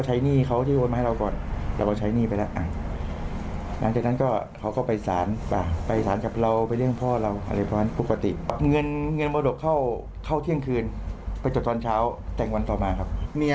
วันที่๒๔สิงหาเขาก็เอาไปคนไปถือทุกบาทเลยครับ